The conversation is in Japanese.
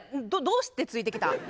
どうしてついてきた？